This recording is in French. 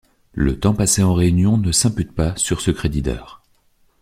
Le temps passé en réunion ne s'impute pas sur ce crédit d'heures.